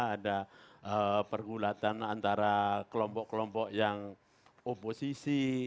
ada pergulatan antara kelompok kelompok yang oposisi